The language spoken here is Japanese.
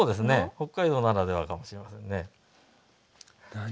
北海道ならではかもしれませんね。